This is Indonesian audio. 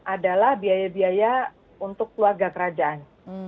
adalah biaya biaya untuk keluarga kerajaan